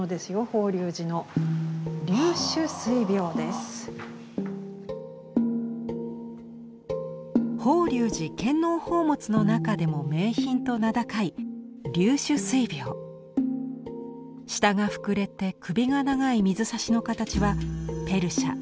法隆寺献納宝物の中でも名品と名高い下が膨れて首が長い水差しの形はペルシャ